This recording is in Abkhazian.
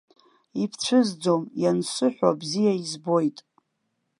Ибцәызӡом, иансыҳәо бзиа избоит.